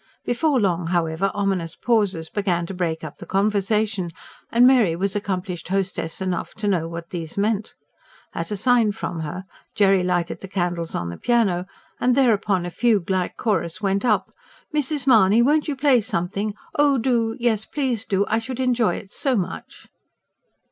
Before long, however, ominous pauses began to break up the conversation, and Mary was accomplished hostess enough to know what these meant. At a sign from her, Jerry lighted the candles on the piano, and thereupon a fugue like chorus went up: "Mrs. Mahony, won't you play something? Oh, do! Yes, please, do.... I should enjoy it so much."